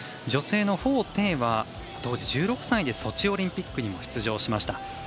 女性の彭程は、当時１６歳でソチオリンピックにも出場しました。